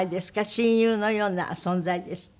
親友のような存在ですって？